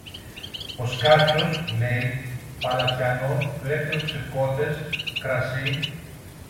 πως κάποιος, λέει, παλατιανός του έκλεψε κότες, κρασί